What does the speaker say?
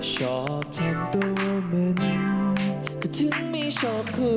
ชอบทำตัวเหมือนก็ถึงไม่ชอบคุย